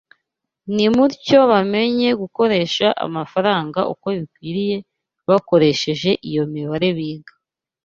Nimutyo bamenye gukoresha amafaranga uko bikwiriye bakoresheje iyo mibare biga